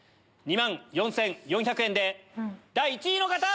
２万４４００円で第１位の方！